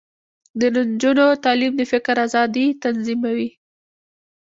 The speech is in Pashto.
د نجونو تعلیم د فکر ازادي تضمینوي.